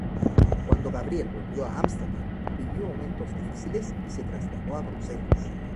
Cuando Gabriel volvió a Ámsterdam vivió momentos difíciles y se trasladó a Bruselas.